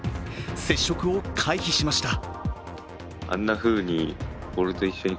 接触を回避しました。